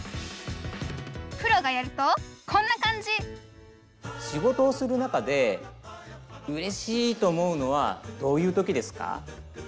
プロがやるとこんな感じ仕事をする中でうれしいと思うのはどういう時ですか？